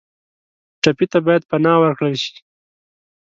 ټپي ته باید پناه ورکړل شي.